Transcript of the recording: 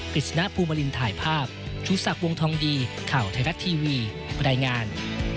ฤษณะภูมิลินถ่ายภาพชูศักดิ์วงทองดีข่าวไทยรัฐทีวีรายงาน